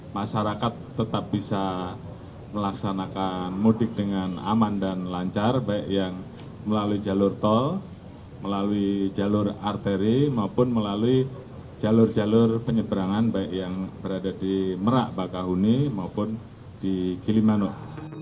masyarakat tetap bisa melaksanakan mudik dengan aman dan lancar baik yang melalui jalur tol melalui jalur arteri maupun melalui jalur jalur penyeberangan baik yang berada di merak bakahuni maupun di gilimanuk